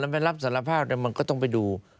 มันไปรับสารภาพมันก็ต้องไปดู